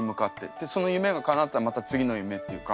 でその夢がかなったらまた次の夢っていうか。